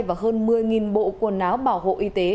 và hơn một mươi bộ quần áo bảo hộ y tế